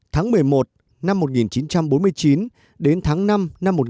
tháng một mươi một năm một nghìn chín trăm bốn mươi chín đến tháng năm năm một nghìn chín trăm bốn mươi năm